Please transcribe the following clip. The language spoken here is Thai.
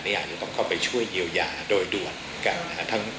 อาจจะต้องเข้าไปช่วยเยียวยาโดยด่วนกันนะครับ